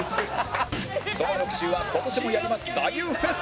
その翌週は今年もやります太夫フェス